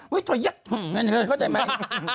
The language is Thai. เฮ้ยโทยักษ์เห็นเลยเข้าใจไหม